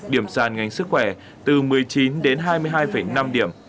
điểm sàn ngành sức khỏe từ một mươi chín đến hai mươi hai năm điểm